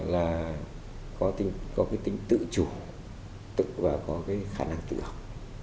là có cái tính tự chủ tự và có cái khả năng tự học